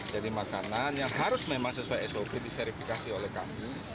jadi makanan yang harus memang sesuai sop diverifikasi oleh kami